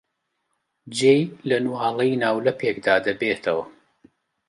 جێی لە نواڵەی ناولەپێکدا دەبێتەوە.